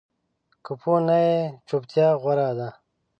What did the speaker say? که پوه نه یې، چُپتیا غوره ده